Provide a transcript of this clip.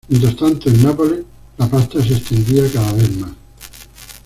Mientras tanto, en Nápoles, la pasta se extendía cada vez más.